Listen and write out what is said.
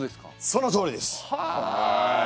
そのとおりです。